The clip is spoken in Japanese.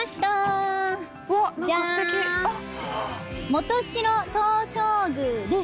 元城東照宮です。